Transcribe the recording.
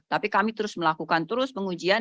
tapi kami terus melakukan terus pengujian